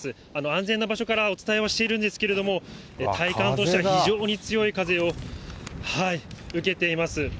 安全な場所からお伝えはしているんですけれども、体感としては非常に強い風を受けています。